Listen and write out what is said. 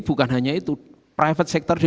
bukan hanya itu private sector di